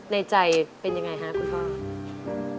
ในใจเป็นยังไงคะคุณพ่อ